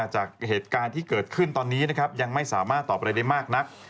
จากเหตุการณ์ที่เกิดขึ้นตอนนี้นะครับยังไม่สามารถตอบอะไรได้มากนัก